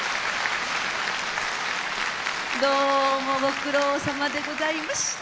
どうもご苦労さまでございました。